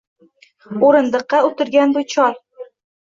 Oʻrindiqqa oʻtirgan bu chol